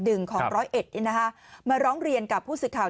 หนึ่งของร้อยเอชนะฮะมาร้องเรียนกับผู้สื่อข่าว